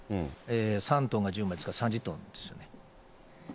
３トンが１０枚ですから３０トンですよね。